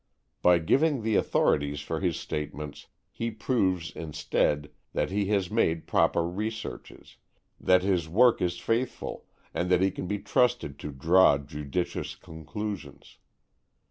By giving the authorities for his statements, he proves instead that he has made proper researches, that his work is faithful, and that he can be trusted to draw judicious conclusions.